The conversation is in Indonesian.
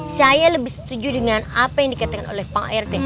saya lebih setuju dengan apa yang dikatakan oleh pak art